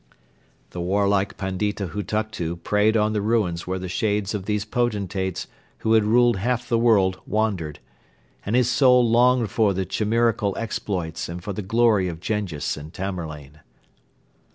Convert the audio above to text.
The warlike Pandita Hutuktu prayed on the ruins where the shades of these potentates who had ruled half the world wandered, and his soul longed for the chimerical exploits and for the glory of Jenghiz and Tamerlane.